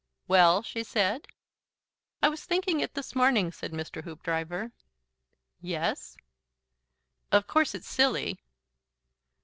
"Well?" she said. "I was thinking it this morning," said Mr. Hoopdriver. "Yes?" "Of course it's silly."